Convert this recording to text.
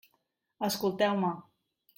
Escolteu-me.